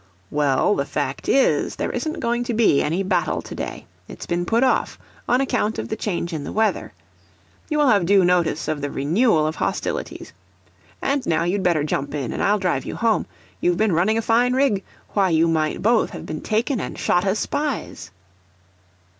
"Well, the fact is, there isn't going to be any battle to day. It's been put off, on account of the change in the weather. You will have due notice of the renewal of hostilities. And now you'd better jump in and I'll drive you home. You've been running a fine rig! Why, you might have both been taken and shot as spies!"